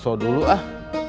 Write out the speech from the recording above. ngesot dulu ah